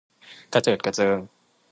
กระเจิดกระเจิง